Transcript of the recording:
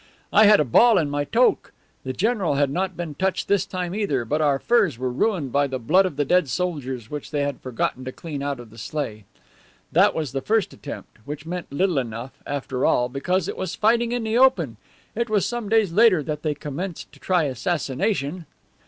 I had a ball in my toque. The general had not been touched this time either, but our furs were ruined by the blood of the dead soldiers which they had forgotten to clean out of the sleigh. That was the first attempt, which meant little enough, after all, because it was fighting in the open. It was some days later that they commenced to try assassination."